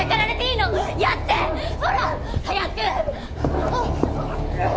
ほら早く！